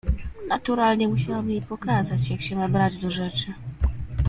Naturalnie musiałam jej pokazać, jak się ma brać do rzeczy.